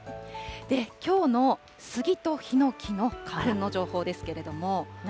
きょうのスギとヒノキの花粉の情報ですけれども。